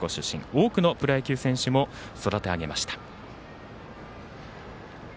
多くのプロ野球選手も育て上げました。